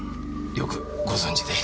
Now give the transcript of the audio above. よくご存じで。